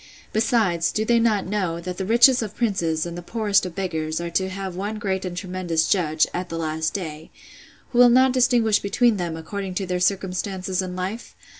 Besides, do they not know, that the richest of princes, and the poorest of beggars, are to have one great and tremendous judge, at the last day; who will not distinguish between them, according to their circumstances in life?